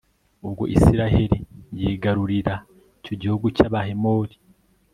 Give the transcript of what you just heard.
ubwo israheli yigarurira icyo gihugu cy'abahemori